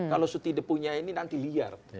kalau setidaknya punya ini nanti liar